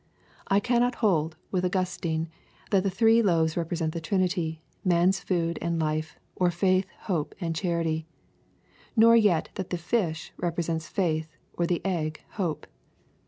I cannot hold, with Augustine, that the three loaves represent the Trinity, man's food and life, or faith, hope, and oharity, — ^nor yet that the " fish" represents faith, or the " egg" hope.